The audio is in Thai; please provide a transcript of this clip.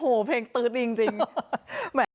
ขอบคุณครับ